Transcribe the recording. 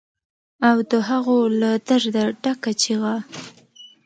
او د هغو له درده ډکه چیغه